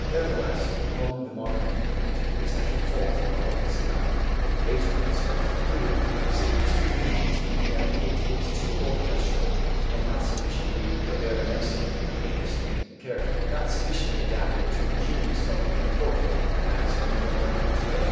Nevertheless, from the modern viewpoint the essential fault of the sonata, Beethoven's sonatas included, seems to me to be that it is too orchestral and not sufficiently claviermässig (pianistic) in character; not sufficiently adapted to the genius of the pianoforte as we know it to day.